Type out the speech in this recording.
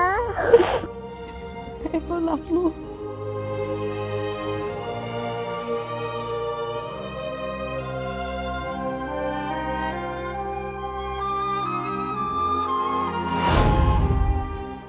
ให้พ่อรับลูก